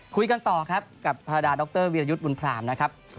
คุยกันต่อกับพระราดาดรวิรายุทธ์บุญพราหมณ์นะครับ